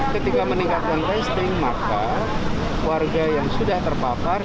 ketika meningkatkan testing maka warga yang sudah terpapar